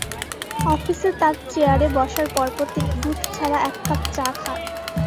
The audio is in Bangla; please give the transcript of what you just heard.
অফিসে তাঁর চেয়ারে বসার পরপর তিনি দুধ ছাড়া এককাপ চা খান।